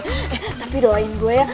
eh tapi doain gue ya